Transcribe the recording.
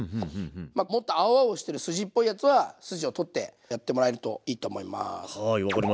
まあもっと青々してる筋っぽいやつは筋を取ってやってもらえるといいと思います。